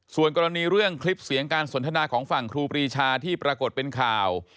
ส่วนกรณีเรื่องคลิปเสียงการสนทนาของฝั่งครูปรีชาที่ปรากฏเป็นข่าว